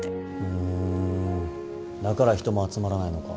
うんだから人も集まらないのか。